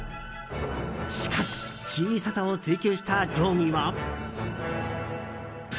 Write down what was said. しかし小ささを追求した定規は。